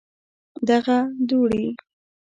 دغه دوړي